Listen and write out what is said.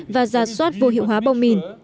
và giả soát vô hiệu hóa bông mìn